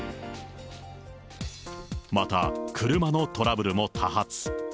また、車のトラブルも多発。